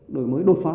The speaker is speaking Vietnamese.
đổi mới đột phá